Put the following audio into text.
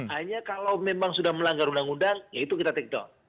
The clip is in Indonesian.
hanya kalau memang sudah melanggar undang undang ya itu kita take down